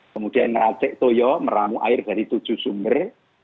kemudian meracek toyo meramu air dari tujuh sumber